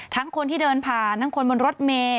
คนที่เดินผ่านทั้งคนบนรถเมย์